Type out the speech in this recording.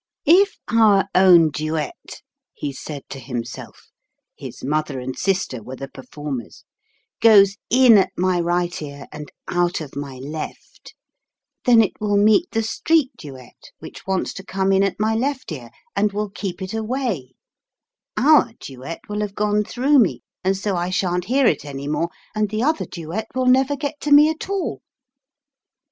"If our own duet," he said to himself (his mother and sister were the per How many duets can be heard by two ears? 9 formers), " goes in at my right ear and out of my left, then it will meet the street duet, which wants to come in at my left ear, and will keep it away ; our duet will have gone through me, and so I shan't hear it any more, and the other duet will never get to me at all."